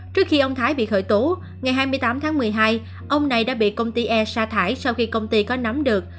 trước khi ông thái bị khởi tố ngày hai mươi tám tháng một mươi hai ông này đã bị công ty e sa thải sau khi công ty có nắm được